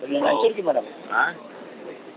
yang hancur gimana pak